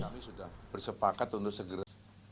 kami sudah bersepakat untuk segera